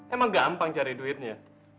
emang gampang cari duitnya